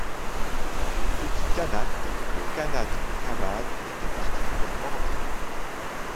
Dans les petits khanats, le khanat de Cavad était particulièrement remarquable.